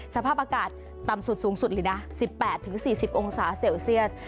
สภาพอากาศต่ำสุดสูงสุดเลยนะ๑๘๔๐องศาเซลเซียส